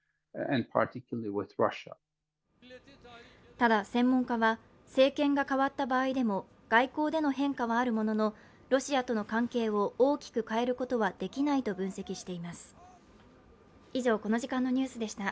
ただ専門家は、政権が変わった場合でも外交での変化はあるもののロシアとの関係を大きく変えることはできないと分析しています。